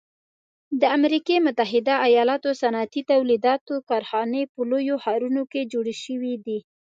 د امریکي متحده ایلاتو صنعتي تولیداتو کارخانې په لویو ښارونو کې جوړې شوي دي.